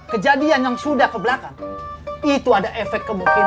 kejadian yang sudah ke belakang itu ada efek kemungkinan